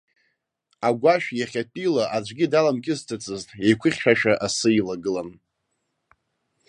Агәашә иахьатәиала аӡәгьы даламкьысӡацызт, еиқәыхьшәашәа асы илагылан.